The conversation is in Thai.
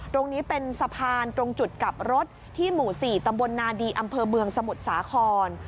ตรงนี้เป็นสะพานตรงจุดกลับรถที่หมู่๔ตำบลนาดีอำเภอเมืองสมุทรสาคร